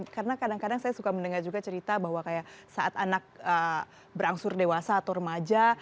karena kadang kadang saya suka mendengar cerita bahwa saat anak berangsur dewasa atau remaja